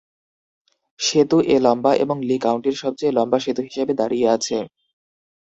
সেতু এ লম্বা এবং লি কাউন্টির সবচেয়ে লম্বা সেতু হিসাবে দাঁড়িয়ে আছে।